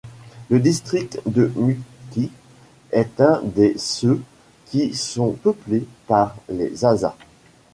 Le district de Mutki est un des ceux qui sont peuplés par les Zazas.